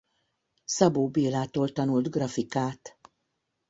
Szabó Bélától tanult grafikát.